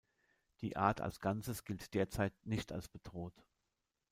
Die Art als ganzes gilt derzeit nicht als bedroht.